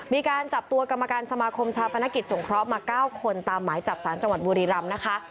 มีการจับตัวกรรมการสมาคมชาปนกิจสงเคราะห์มา๙คนตามหมายจับสารจังหวัดบุรีรำนะคะ